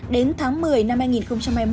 đến tháng một mươi năm hai nghìn một mươi chín